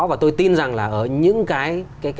và tôi tin rằng là ở những cái